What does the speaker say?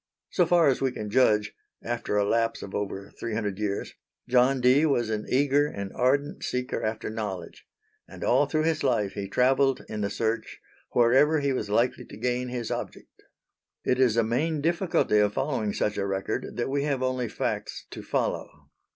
So far as we can judge after a lapse of over three hundred years, John Dee was an eager and ardent seeker after knowledge; and all through his life he travelled in the search wherever he was likely to gain his object. It is a main difficulty of following such a record that we have only facts to follow.